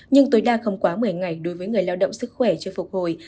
nhưng tối đa không quá một mươi ngày đối với người lao động sức khỏe chưa phục hồi